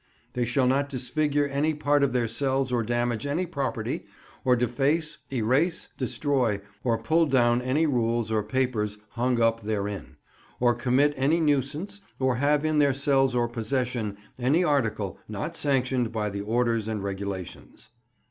They shall not disfigure any part of their cells or damage any property, or deface, erase, destroy, or pull down any rules or other papers hung up therein, or commit any nuisance, or have in their cells or possession any article not sanctioned by the orders and regulations.